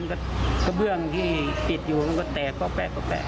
มันก็เกอร์เบื้องที่ติดอยู่มันก็แตกก็แปลกก็แปลก